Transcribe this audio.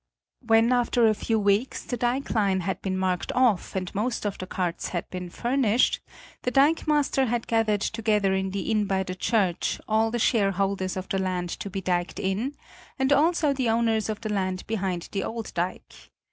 When after a few weeks the dike line had been marked off and most of the carts had been furnished, the dikemaster had gathered together in the inn by the church all the shareholders of the land to be diked in and also the owners of the land behind the old dike.